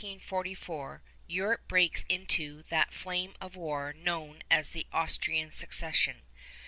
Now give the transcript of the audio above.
Late in 1744 Europe breaks into that flame of war known as the Austrian Succession.